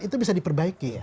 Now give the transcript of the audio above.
itu bisa diperbaiki